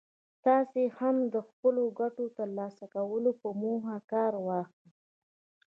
تاسې هم د خپلو ګټو ترلاسه کولو په موخه کار واخلئ.